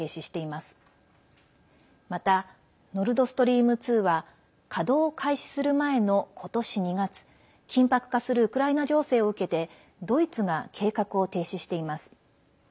また、ノルドストリーム２は稼働を開始する前の今年２月緊迫化するウクライナ情勢を受けてドイツが計画を停止しています。